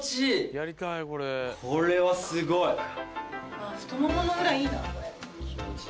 これはすごい！